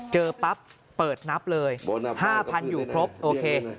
เจอปั๊บเปิดนับเลย๕๐๐อยู่ครบโอเค